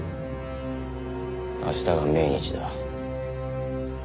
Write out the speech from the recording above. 明日が命日だ。